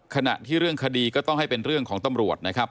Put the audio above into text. ขณะที่เรื่องคดีก็ต้องให้เป็นเรื่องของตำรวจนะครับ